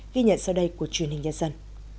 ghi nhận sau đây của truyền hình nhân dân